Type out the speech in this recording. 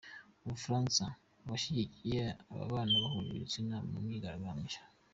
U Bufaransa Abashyigikiye ababana bahuje ibitsina mu myigaragambyo